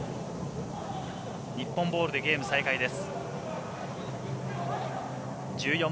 日本ボールでゲーム再開です。